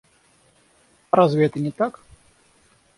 А разве это не так?